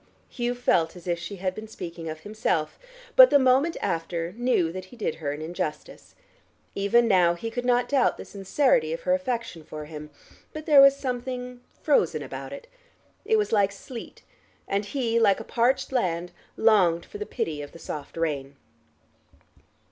Hugh felt as if she had been speaking of himself, but the moment after knew that he did her an injustice. Even now he could not doubt the sincerity of her affection for him. But there was something frozen about it. It was like sleet, and he, like a parched land, longed for the pity of the soft rain.